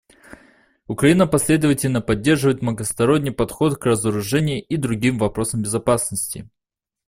Украина последовательно поддерживает многосторонний подход к разоружению и другим вопросам безопасности.